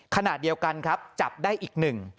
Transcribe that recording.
ขณะเดียวกันครับจับได้อีกหนึ่ง